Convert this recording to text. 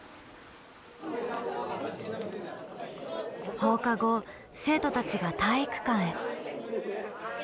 放課後生徒たちが体育館へ。